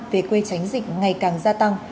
về quê tránh dịch ngày càng gia tăng